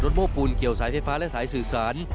โม้ปูนเกี่ยวสายไฟฟ้าและสายสื่อสาร